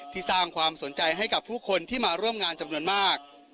สร้างความสนใจให้กับผู้คนที่มาร่วมงานจำนวนมาก